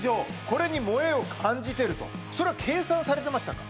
これに萌えを感じてるとそれは計算されてましたか？